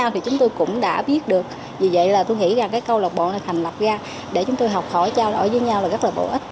thì chúng tôi cũng đã biết được vì vậy là tôi nghĩ rằng cái câu lạc bộ này thành lập ra để chúng tôi học hỏi trao đổi với nhau là rất là bổ ích